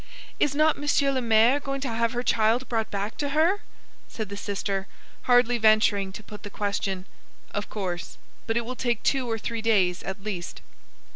"Is not Monsieur le Maire going to have her child brought back to her?" said the sister, hardly venturing to put the question. "Of course; but it will take two or three days at least."